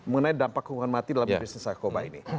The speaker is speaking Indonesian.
mengenai dampak hukuman mati dalam bisnis narkoba ini